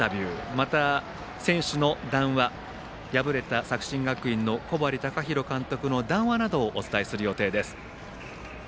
また選手の談話敗れた作新学院の小針崇宏監督の談話などをお伝えする予定です。